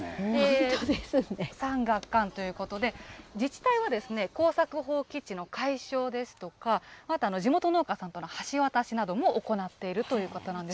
産学官ということで、自治体はですね、耕作放棄地の解消ですとか、あと地元農家さんとの橋渡しなども行っているということなんです。